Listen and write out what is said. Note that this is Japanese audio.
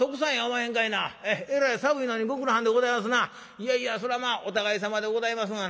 「いやいやそらまあお互いさまでございますがな」。